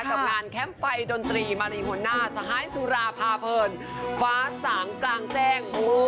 กับการแค้มไฟดนตรีมาริโฮน่าสหายสุราพาเผินฟ้าสังจางแจ้ง